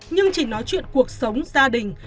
nhưng chỉ nói chuyện cuộc sống gia đình